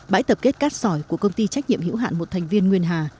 bãi tập kết cát sỏi của công ty trách nhiệm hữu hạn một thành viên nguyên hà